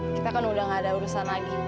kita kan udah gak ada urusan lagi